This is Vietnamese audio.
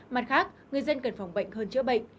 mặt khác người dân cần phòng bệnh hơn chữa bệnh